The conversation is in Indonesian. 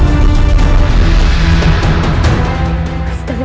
jadi aku benangkan